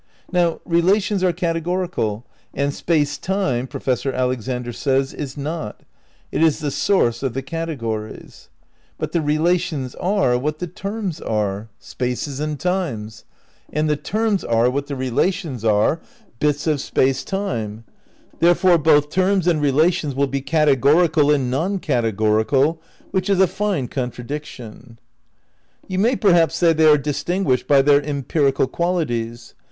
Now, relations are categorial, and Space Time, Pro fessor Alexander says, is not; it is the source of the categories. But the relations are what the terms are, ^ Space, Time and Deity, p. 250. 186 THE NEW IDEALISM v spaces and times ; and the terms are what the relations are, bits of Space Time. Therefore both terms and relations will be categorial and non categorial, which is a fine contradiction. You may perhaps say they are distinguished by their empirical qualities.